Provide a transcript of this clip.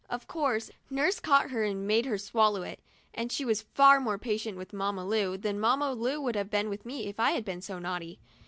Of course, Nurse caught her and made her swallow it, and she was far more patient with Mamma Lu than Mamma Lu would have been with me if I had been so naughty.